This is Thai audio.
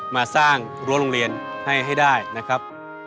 มาสร้างรั้วโรงเรียนให้ได้นะครับ